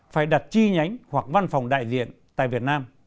phải đặt chi nhánh hoặc văn phòng đại diện tại việt nam